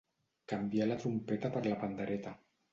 Canviar la trompeta per la pandereta.